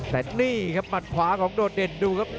แต่นี่ครับหมัดขวาของโดดเด่นดูครับ